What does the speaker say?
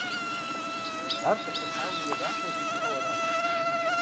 Ар къытехьауэ ерагъыу зишыӀэу арат.